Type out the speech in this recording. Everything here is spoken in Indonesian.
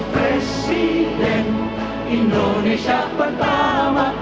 presiden indonesia pertama